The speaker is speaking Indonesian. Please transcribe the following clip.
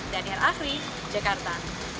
dania akhri jakarta